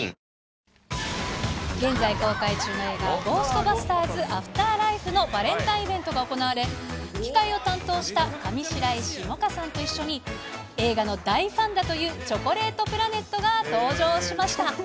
ゴーストバスターズ・アフターライフのバレンタインイベントが行われ、吹き替えを担当した上白石萌歌さんと一緒に、映画の大ファンだというチョコレートプラネットが登場しました。